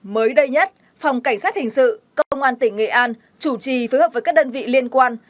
mới đây nhất phòng cảnh sát hình sự công an tỉnh nghệ an chủ trì phối hợp với các đơn vị liên quan